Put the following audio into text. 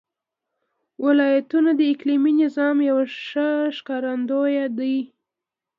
ولایتونه د اقلیمي نظام یو ښه ښکارندوی دی.